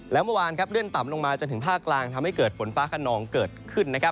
แล้วเมื่อวานเลื่อนต่ำลงมาจนถึงภาคกลางทำให้เกิดฝนฟ้าขนองเกิดขึ้นนะครับ